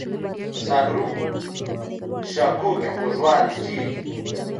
په ساه لرونکو څښاکونو کې خوږوالی ډېر وي.